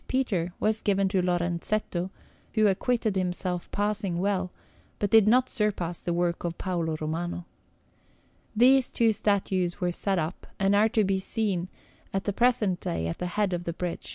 Peter, was given to Lorenzetto, who acquitted himself passing well, but did not surpass the work of Paolo Romano. These two statues were set up, and are to be seen at the present day at the head of the bridge. [Illustration: S.